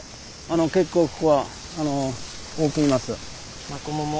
結構ここは多くいます。